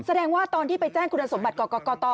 แสดงว่าตอนที่ไปแจ้งคุณสมบัติกรกต